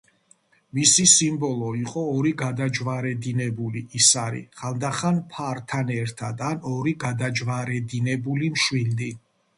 მისი სიმბოლო იყო ორი გადაჯვარედინებული ისარი, ხანდახან ფართან ერთად ან ორი გადაჯვარედინებული მშვილდი.